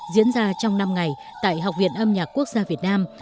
diễn ra trong năm ngày tại học viện âm nhạc quốc gia việt nam